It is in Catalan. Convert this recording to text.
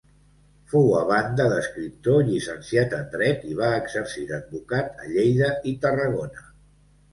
Fou, a banda d'escriptor, llicenciat en dret i va exercir d'advocat a Lleida i Tarragona.